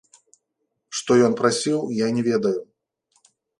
Што ён прасіў, я не ведаю.